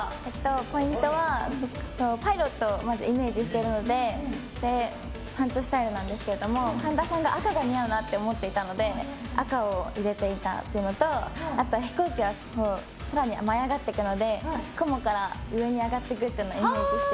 ポイントはパイロットをまずイメージしているのでパンツスタイルなんですけど神田さんが赤が似合うなと思っていたので赤を入れたっていうのとあと、飛行機は空に舞い上がっていくので雲から上に上がっていくのをイメージして。